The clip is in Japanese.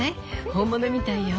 本物みたいよ。